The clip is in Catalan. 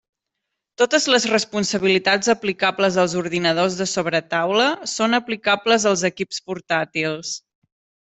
Totes les responsabilitats aplicables als ordinadors de sobretaula són aplicables als equips portàtils.